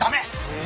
え。